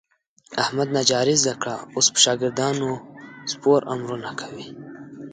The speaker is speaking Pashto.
احمد نجاري زده کړه. اوس په شاګردانو سپور امرونه کوي.